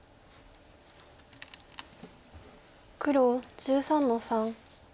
黒１３の三。